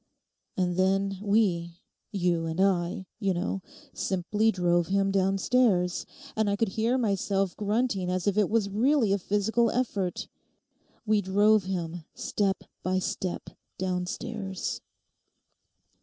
'And then, we—you and I, you know—simply drove him downstairs, and I could hear myself grunting as if it was really a physical effort; we drove him, step by step, downstairs.